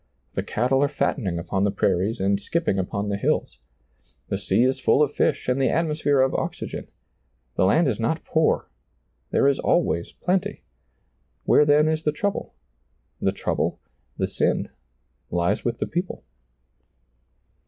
The cattle are fattening upon the prairies and skipping upon the hills. The sea is full of fish and the atmosphere of oxygen. The land is not poor ; there is always plenty. Where then is ^lailizccbvGoOgle 156 SEEING DARKLY the trouble ? The trouble, the sia, lies with the people.